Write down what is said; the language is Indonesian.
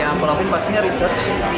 ya apalagi pastinya riset